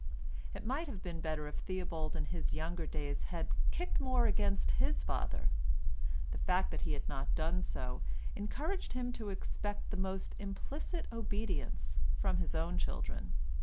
It might have been better if Theobald in his younger days had kicked more against his father: the fact that he had not done so encouraged him to expect the most implicit obedience from his own children.